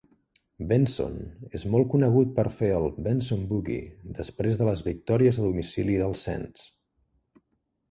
Benson és molt conegut per fer el "Benson Boogie" després de les victòries a domicili dels Saints.